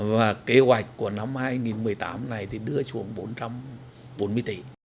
và kế hoạch của năm hai nghìn một mươi tám này thì đưa xuống bốn trăm bốn mươi tỷ